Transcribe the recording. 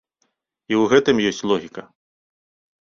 І ў гэтым ёсць логіка.